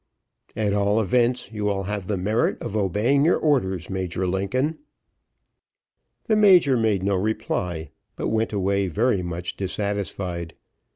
"At all events, you will have the merit of obeying your orders, Major Lincoln." The major made no reply, but went away very much dissatisfied.